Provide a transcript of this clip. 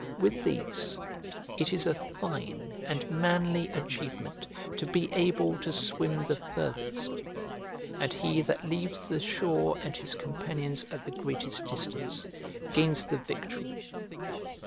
With these it is a fine and manly achievement to be able to swim the farthest; and he that leaves the shore and his companions at the greatest distance gains the victory.